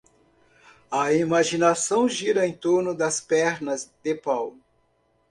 A imaginação gira em torno das pernas de pau.